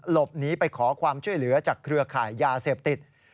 หลบหนีไปขอความช่วยเหลือจากเครือข่ายยาเสพติด